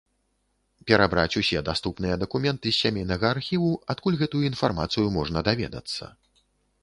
Перабраць усе даступныя дакументы з сямейнага архіву, адкуль гэтую інфармацыю можна даведацца.